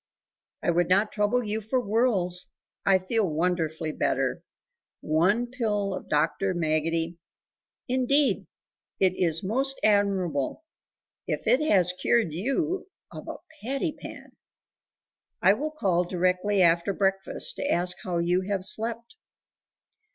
"I would not trouble you for worlds; I feel wonderfully better. One pill of Dr. Maggotty " "Indeed it is most admirable, if it has cured you of a patty pan! I will call directly after breakfast to ask how you have slept."